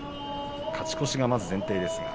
勝ち越しが、まず前提です。